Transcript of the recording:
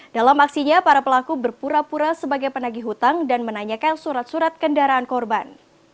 dalam aksinya para pelaku berpura pura sebagai penagih hutang dan menanyakan surat surat kendaraan korban